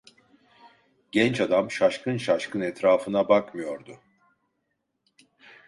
Genç adam şaşkın şaşkın etrafına bakmıyordu.